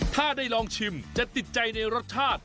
ถ้าได้ลองชิมจะติดใจในรสชาติ